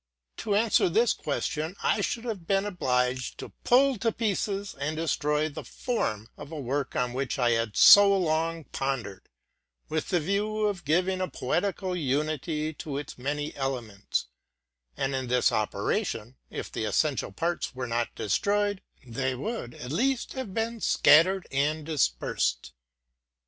To answer this question, I should have been obliged to pull to pieces and destroy the form of a work on which IT had so long pondered, with the view of giving a poetical unity to its many elements ; and in this operation, if the essential parts were not destroyed, they would, at least, have been scattered and dispersed.